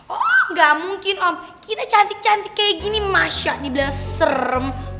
oh gak mungkin om kita cantik cantik kayak gini masya dibilang serem